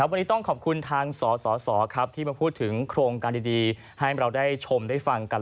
วันนี้ต้องขอบคุณทางสสครับที่มาพูดถึงโครงการดีให้เราได้ชมได้ฟังกัน